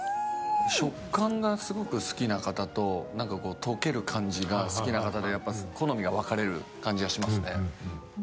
食感がすごく好きな方と溶ける感じが好きな方でやっぱ好みが分かれる感じがしますね。